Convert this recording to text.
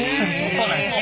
そうなんです。